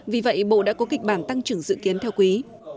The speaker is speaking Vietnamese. vì vậy bộ đã có kịch bản tăng trưởng dự kiến theo quý